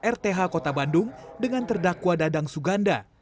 rth kota bandung dengan terdakwa dadang suganda